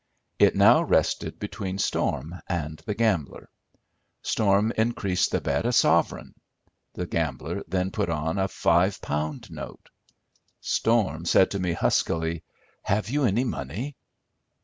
It now rested between Storm and the gambler. Storm increased the bet a sovereign. The gambler then put on a five pound note. Storm said to me huskily, "Have you any money?"